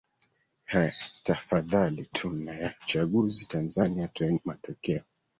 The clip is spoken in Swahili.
h tafadhali tume ya uchanguzi tanzania toeni matokeo